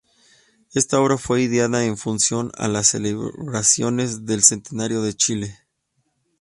Esta obra fue ideada en función a las celebraciones del centenario de Chile.